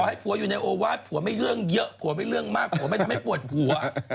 ให้ผัวอยู่ในโอวาสผัวไม่เรื่องเยอะผัวไม่เรื่องมากผัวไม่ทำให้ปวดหัว